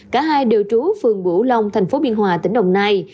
cả hai đều trú phương bủ long thành phố biên hòa tỉnh đồng nai